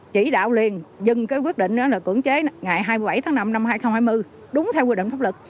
chỉ đạo liền dừng cái quyết định đó là cưỡng chế ngày hai mươi bảy tháng năm năm hai nghìn hai mươi đúng theo quy định pháp luật